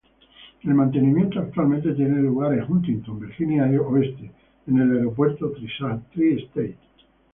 El mantenimiento actualmente tiene lugar en Huntington, Virginia Oeste, en el aeropuerto Tri-State.